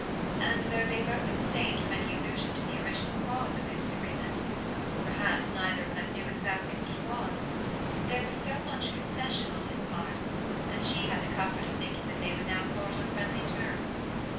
And though thej both abstained from anj allusion to the original oauae of their disagreement, — perha[i§ neither of them knew exactlj what it was, — there was much coacession on his' part, and she had the comfort of thinking that thej would now part on friendly terms.